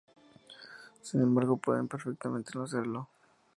Sin embargo, pueden perfectamente no serlo.